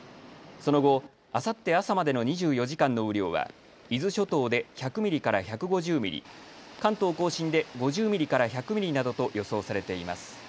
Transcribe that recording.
その後、あさって朝までの２４時間の雨量は伊豆諸島で１００ミリから１５０ミリ、関東甲信で５０ミリから１００ミリなどと予想されています。